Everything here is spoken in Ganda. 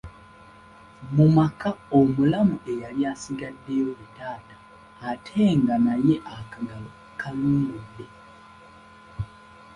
Mu maka omulamu eyali asigaddewo ye taata ate nga naye akagalo kalungudde.